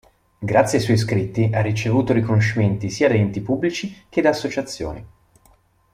Grazie ai suoi scritti ha ricevuto riconoscimenti sia da Enti pubblici che da Associazioni.